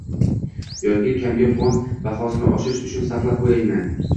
Yoki kamyob mol bahosini oshirish uchun saqlab qo'ymaydi.